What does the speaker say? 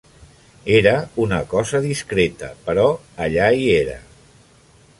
Era una cosa discreta, però allà hi era.